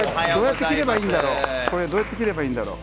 これ、どうやって切ればいいんだろう？